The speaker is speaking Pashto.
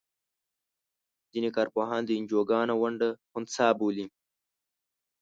ځینې کار پوهان د انجوګانو ونډه خنثی بولي.